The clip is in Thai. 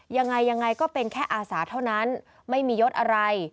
ยังไงยังไงก็เป็นแค่อาสาเท่านั้นไม่มียศอะไร